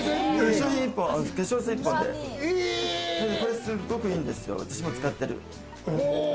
化粧水１本で、これすごくいいんですよ、私も使ってる。